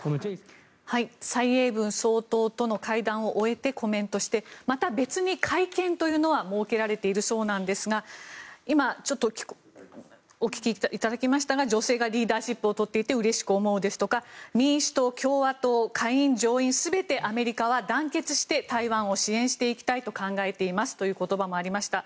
蔡英文総統との会談を終えてコメントしてまた別に会見というのは設けられているそうなんですが今、お聞きいただきましたが女性がリーダーシップを取っていてうれしく思うですとか民主党、共和党、下院上院全てアメリカは団結して台湾を支援していきたいと考えていますという言葉もありました。